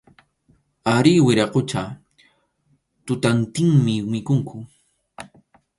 Arí, wiraqucha, tutantinmi mikhunku.